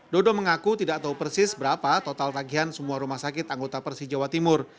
dodo mengaku tidak tahu persis berapa total tagihan semua rumah sakit anggota persi jawa timur